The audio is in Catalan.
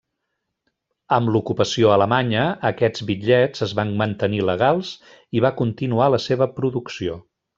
Amb l'ocupació alemanya, aquests bitllets es van mantenir legals i va continuar la seva producció.